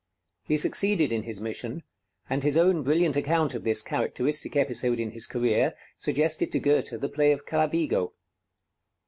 He succeeded in his mission, and his own brilliant account of this characteristic episode in his career suggested to Goethe the play of 'Clavigo.'